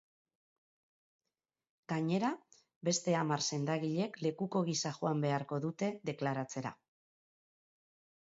Gainera, beste hamar sendagilek lekuko gisa joan beharko dute deklaratzera.